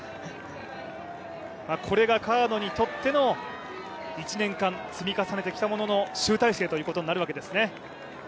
これが川野にとっての１年間、積み重ねてきたものの集大成ということになるわけですね。